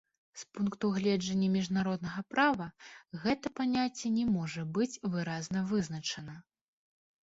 З пункту гледжання міжнароднага права, гэта паняцце не можа быць выразна вызначана.